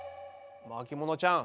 巻物ちゃん。